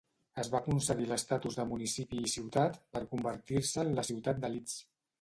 Es va concedir l'estatus de municipi i ciutat per convertir-se en la ciutat de Leeds.